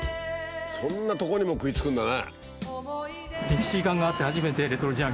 そんなとこにも食いつくんだね。